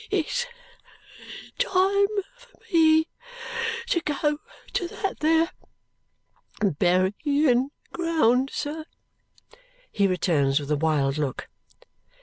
"It's time for me to go to that there berryin ground, sir," he returns with a wild look.